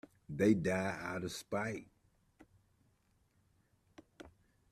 They die out of spite.